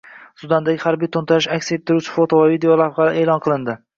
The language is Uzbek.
Sudandagi harbiy to‘ntarishni aks ettiruvchi foto va videolavhalar e’lon qilindi